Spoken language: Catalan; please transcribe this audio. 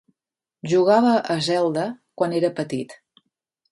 Jugava a Zelda quan era petit.